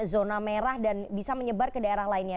zona merah dan bisa menyebar ke daerah lainnya